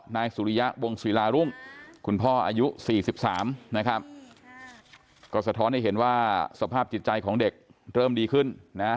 นายสุริยะวงศิลารุ่งคุณพ่ออายุ๔๓นะครับก็สะท้อนให้เห็นว่าสภาพจิตใจของเด็กเริ่มดีขึ้นนะ